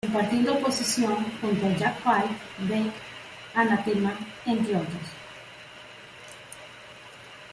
Compartiendo posición junto a Jack White, Beck, Anathema, entre otros.